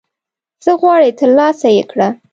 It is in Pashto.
څه غواړي ترلاسه یې کړه